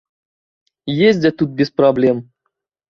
Ездзяць тут без праблем.